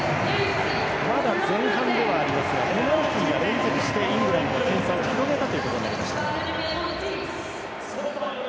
まだ前半ではありますがこの辺り連続してイングランドが点差を広げたことになりました。